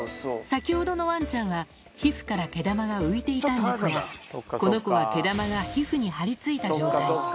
先ほどのわんちゃんは、皮膚から毛玉が浮いていたんですが、この子は毛玉が皮膚に張り付いた状態。